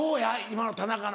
今の田中の。